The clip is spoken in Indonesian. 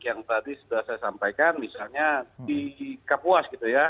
yang tadi sudah saya sampaikan misalnya di kapuas gitu ya